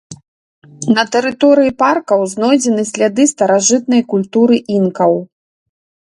На тэрыторыі паркаў знойдзены сляды старажытнай культуры інкаў.